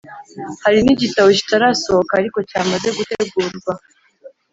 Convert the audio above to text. hari n’igitabo kitarasohoka ariko cyamaze gutegurwa